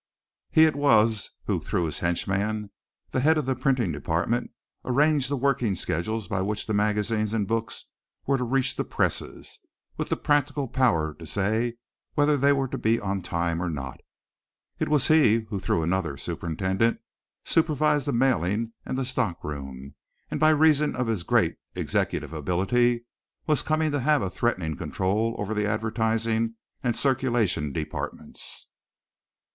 He it was who through his henchman, the head of the printing department, arranged the working schedules by which the magazines and books were to reach the presses, with the practical power to say whether they were to be on time or not. He it was who through another superintendent supervised the mailing and the stock room, and by reason of his great executive ability was coming to have a threatening control over the advertising and circulation departments.